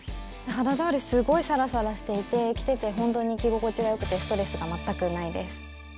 肌触り、すごいサラサラしていて着ていて本当に着心地がよくてストレスが全くないです。